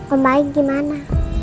om baik gimana